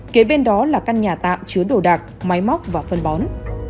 kế bên đó là căn nhà tạm chứa đồ đạc máy móc và phân bón